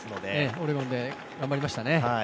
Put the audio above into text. オレゴンで頑張りましたね。